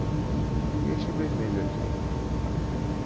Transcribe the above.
E este vermelho aqui?